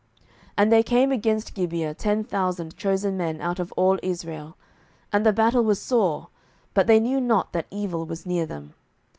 07:020:034 And there came against Gibeah ten thousand chosen men out of all Israel, and the battle was sore: but they knew not that evil was near them.